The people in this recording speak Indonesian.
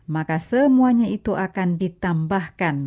maka semuanya itu akan ditambahkan